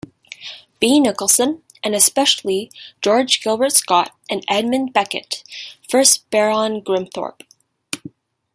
B. Nicholson, and, especially, George Gilbert Scott and Edmund Beckett, first Baron Grimthorpe.